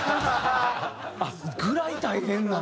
あっぐらい大変なんだ。